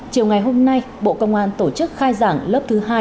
chiều ngày hôm nay bộ công an tổ chức khai giảng lớp thứ hai